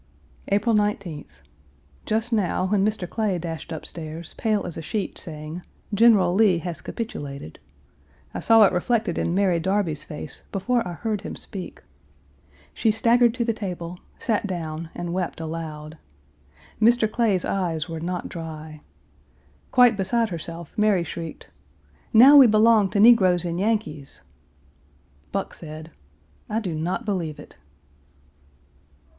April 19th. Just now, when Mr. Clay dashed up stairs, pale as a sheet, saying, "General Lee has capitulated," I saw it reflected in Mary Darby's face before I heard him speak. She staggered to the table, sat down, and wept aloud. Mr. Clay's eyes were not dry. Quite beside herself Mary shrieked, "Now we belong to negroes and Yankees!" Buck said, "I do not believe it."